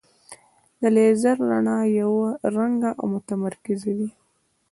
د لیزر رڼا یو رنګه او متمرکزه وي.